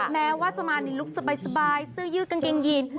แม้ว่าจะมาในลุคสบายเสื้อยืดกางเกงยีน